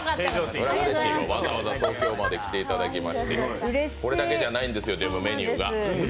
うれしいよ、わざわざ東京まで来ていただきましてこれだけじゃないんですよ、メニューが。